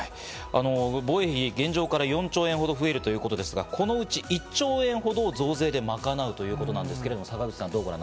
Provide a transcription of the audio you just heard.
防衛費、現状から４兆円ほど増えるということですが、このうち１兆円ほどを増税で賄うということなんですけど、坂口さん。